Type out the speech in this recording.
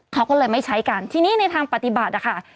เขาก็เลยไม่ใช้กันทีนี้ในทางปฏิบัตินะคะ